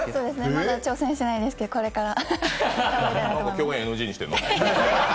まだ挑戦してないんですけど、これから。